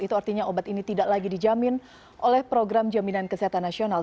itu artinya obat ini tidak lagi dijamin oleh program jaminan kesehatan nasional